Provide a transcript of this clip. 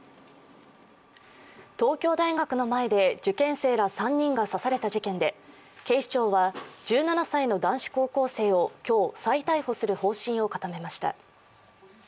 東京大学の前で受験生ら３人が刺された事件で警視庁は１７歳の男子高校生を今日、再逮捕する方針を固めました。